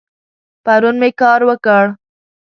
پرون می کار وکړ